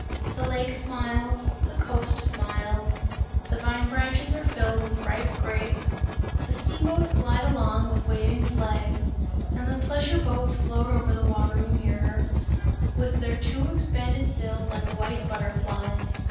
The lake smiles, the coast smiles; the vine branches are filled with ripe grapes; the steamboats glide along with waving flags and the pleasure boats float over the watery mirror, with their two expanded sails like white butterflies.